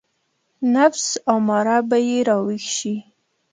نفس اماره به يې راويښ شي.